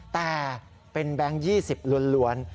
แต่เป็นแบงค์๒๐ล้วน